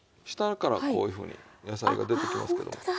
下からこういうふうに野菜が出てきますけども。